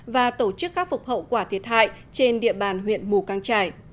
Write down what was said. và tổ chức khắc phục hậu quả thiệt hại trên địa bàn huyện mù căng trải